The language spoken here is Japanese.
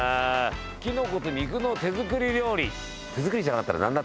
「キノコと肉の手作り料理」